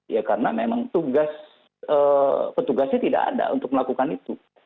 ya karena memang tugas petugasnya tidak ada untuk melakukan itu